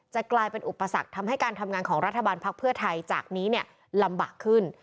กลายเป็นอุปสรรคทำให้การทำงานของรัฐบาลภักดิ์เพื่อไทยจากนี้ลำบากขึ้น